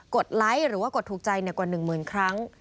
ดไลค์หรือว่ากดถูกใจกว่า๑หมื่นครั้ง